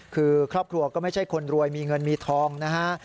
คือครอบครัวก็ไม่ใช่คนรวยมีเงินมีทองนะฮะ